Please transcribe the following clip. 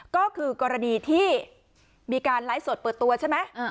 ก็คือกรณีที่มีการไลฟ์สดเปิดตัวใช่ไหม